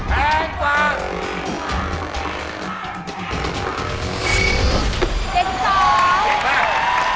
แพงกว่า